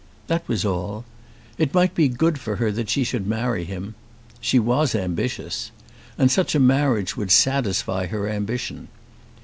That was all. It might be good for her that she should marry him. She was ambitious. And such a marriage would satisfy her ambition.